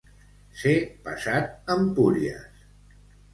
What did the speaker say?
Ser passat Empúries.